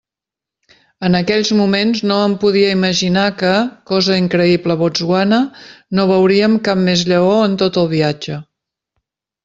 En aquells moments no em podia imaginar que, cosa increïble a Botswana, no veuríem cap més lleó en tot el viatge.